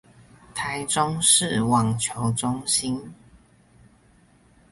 臺中市網球中心